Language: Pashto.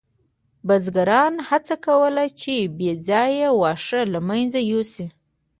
بزګرانو هڅه کوله چې بې ځایه واښه له منځه یوسي.